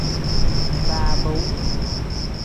Baabaawu.